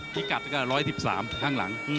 พีกัตต์ก็๑๑๓ครั้งหลัง